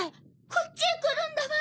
こっちへ来るんだわ。